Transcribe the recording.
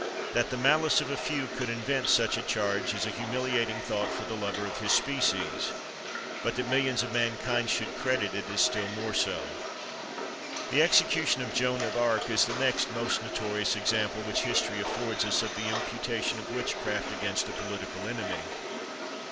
That the malice of a few could invent such a charge is a humiliating thought for the lover of his species; but that millions of mankind should credit it is still more so. The execution of Joan of Arc is the next most notorious example which history affords us of the imputation of witchcraft against a political enemy.